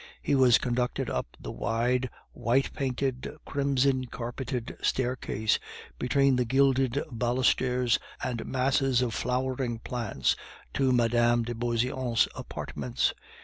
He was conducted up the wide, white painted, crimson carpeted staircase, between the gilded balusters and masses of flowering plants, to Mme. de Beauseant's apartments.